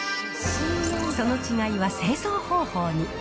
その違いは製造方法に。